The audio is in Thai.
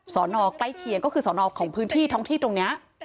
นอใกล้เคียงก็คือสอนอของพื้นที่ท้องที่ตรงนี้